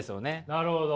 なるほど。